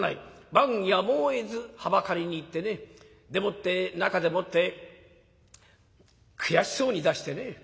万やむをえずはばかりに行ってねでもって中でもって悔しそうに出してね。